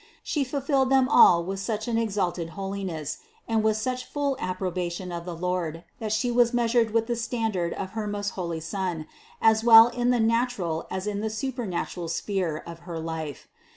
She fulfilled them all with such an exalted holiness, and with such full approbation of the Lord that She was measured with the standard of her most holy Son, as well in the natural as in the supernatural sphere of her life.